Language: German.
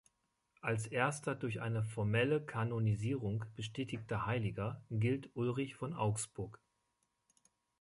Als erster durch eine formelle Kanonisierung bestätigter Heiliger gilt Ulrich von Augsburg.